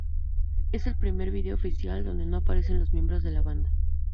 Es el primer video oficial donde no aparecen los miembros de la banda.